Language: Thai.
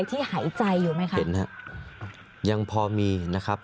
สามารถรู้ได้เลยเหรอคะ